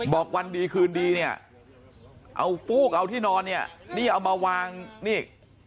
วันดีคืนดีเนี่ยเอาฟูกเอาที่นอนเนี่ยนี่เอามาวางนี่